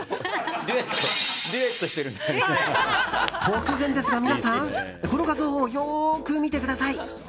突然ですが皆さんこの画像をよく見てください。